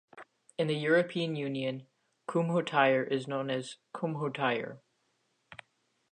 In the European Union, Kumho Tire is known as Kumho Tyre.